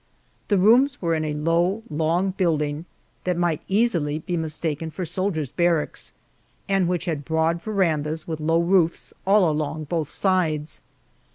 The rooms were in a low, long building, that might easily be mistaken for soldiers' barracks, and which had broad verandas with low roofs all along both sides.